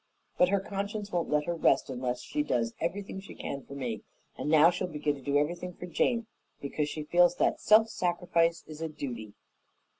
But her conscience won't let her rest unless she does everything she can for me, and now she'll begin to do everything for Jane because she feels that self sacrifice is a duty.